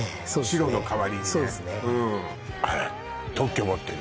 白の代わりにね